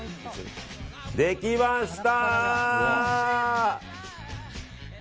できました！